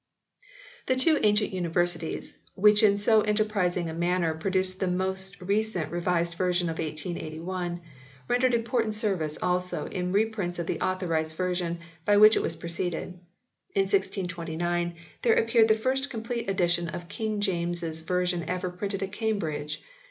The two ancient Universities, which in so enter prising a manner produced the most recent Revised Version of 1881, rendered important service also in reprints of the Authorised Version by which it was preceded. In 1629 there appeared the first complete edition of King James s Version ever printed at Cam bridge.